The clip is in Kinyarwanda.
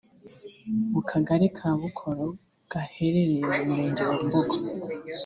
mu kagali ka Bukoro gaherereye mu murenge wa Mbogo